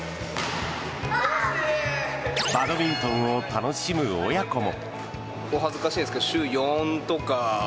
バドミントンを楽しむ親子も。